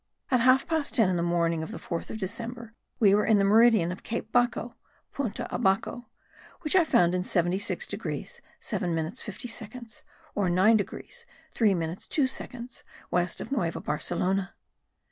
At half past ten in the morning of the 4th of December we were in the meridian of Cape Bacco (Punta Abacou) which I found in 76 degrees 7 minutes 50 seconds, or 9 degrees 3 minutes 2 seconds west of Nueva Barcelona.